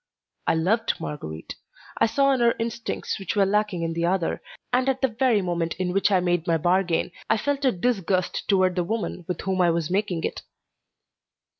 I loved Marguerite. I saw in her instincts which were lacking in the other, and at the very moment in which I made my bargain, I felt a disgust toward the woman with whom I was making it.